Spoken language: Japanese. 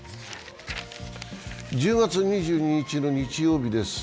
１０月２２日の日曜日です。